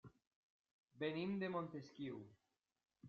Venim de Montesquiu.